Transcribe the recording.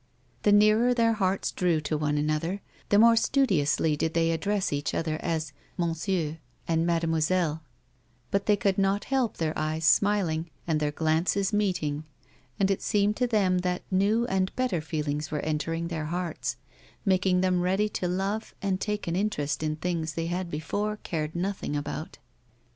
The nearer their hearts drew to one another the more studiously did they address each other as "monsieur" and " mademoiselle ;" but they could not help their eyes smiling and their glances meeting, and it seemed to them that new and better feelings were entering their hearts, makina them ready to love and take an interest in things they had before cared nothing about.